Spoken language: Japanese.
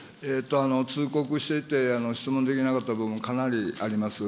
通告していて、質問できなかった部分、かなりあります。